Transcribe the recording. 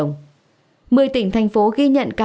ghi nhận một trăm sáu mươi tám bảy trăm một mươi chín ca